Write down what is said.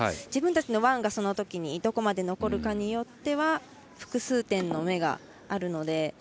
自分たちのワンがそのときにどこまで残るかによっては複数点の芽があるので。